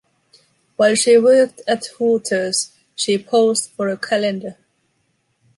While she worked at Hooters, she posed for a calendar.